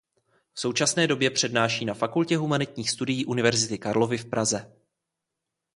V současné době přednáší na Fakultě humanitních studií Univerzity Karlovy v Praze.